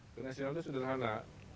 ke nasional itu sederhana